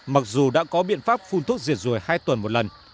mặc dù đã có biện pháp phun thuốc diệt ruồi hai tuần một lần